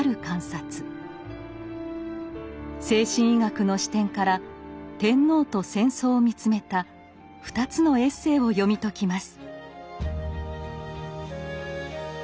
精神医学の視点から「天皇」と「戦争」を見つめた２つのエッセイを読み解きます。